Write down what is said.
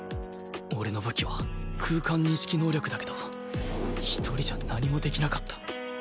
俺の武器は空間認識能力だけど１人じゃ何もできなかった